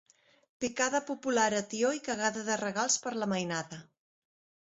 Picada popular a tió i cagada de regals per la mainada.